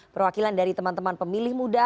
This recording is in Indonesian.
perwakilan dari teman teman pemilih muda